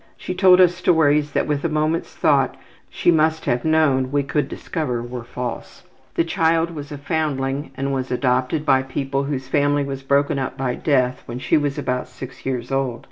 She told us stories that with a moment's thought she must have known we could discover were false. This child was a foundling, and was adopted by people whose family was broken up by death when she was about 6 years old.